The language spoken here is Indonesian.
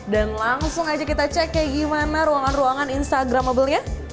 dan langsung aja kita cek kayak gimana ruangan ruangan instagramable nya